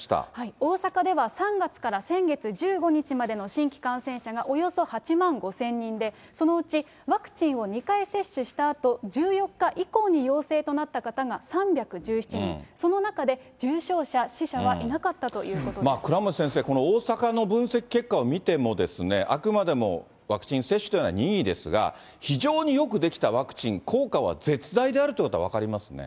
大阪では３月から先月１５日までの新規感染者がおよそ８万５０００人で、そのうちワクチンを２回接種したあと、１４日以降に陽性となった方が３１７人、その中で、重症者、倉持先生、この大阪の分析結果を見てもですね、あくまでもワクチン接種というのは任意ですが、非常によく出来たワクチン、効果は絶大であるということは分かりますね。